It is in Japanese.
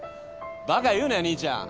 バカ言うなよ兄ちゃん。